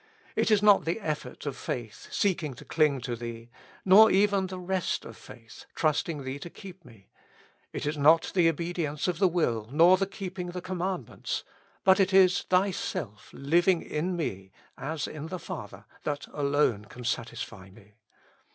It is not the effort of faith, seeking to cling to Thee, nor even the rest of faith, trusting Thee to keep me ; it is not the obedience of the will, nor the keeping the commandments ; but it is Thyself living in me as in the Father, that alone can satisfy me.